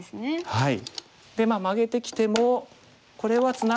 はい。